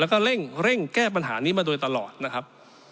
แล้วก็เร่งแก้ปัญหานี้มาโดยตลอดนะครับ